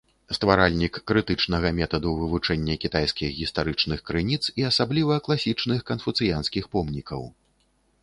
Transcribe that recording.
Стваральнік крытычнага метаду вывучэння кітайскіх гістарычных крыніц і асабліва класічных канфуцыянскіх помнікаў.